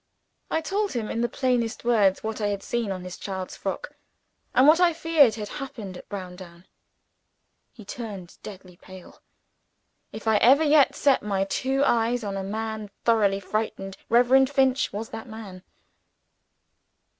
I told him in the plainest words what I had seen on his child's frock, and what I feared had happened at Browndown. He turned deadly pale. If I ever yet set my two eyes on a man thoroughly frightened, Reverend Finch was that man.